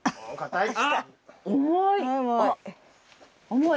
重い。